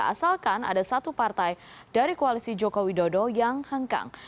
asalkan ada satu partai dari koalisi joko widodo yang hengkang